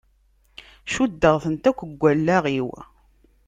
Cuddeɣ-tent akk deg wallaɣ-iw.